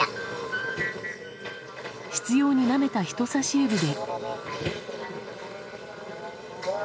執拗になめた人さし指で。